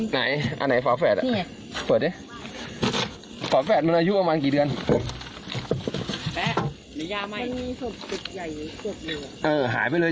หายหมดเลย